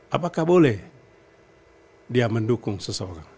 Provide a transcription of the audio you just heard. apakah boleh dia mendukung seseorang